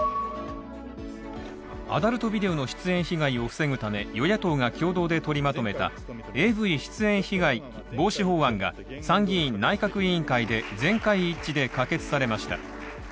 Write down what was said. アダルトビデオの出演被害を防ぐため、与野党が共同で取りまとめたＡＶ出演被害防止法案が参議院内閣委員会で全会一致で可決されました。